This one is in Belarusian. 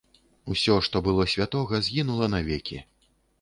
Усё, што было святога, згінула навекі.